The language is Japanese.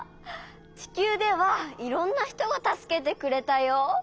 ちきゅうではいろんなひとがたすけてくれたよ。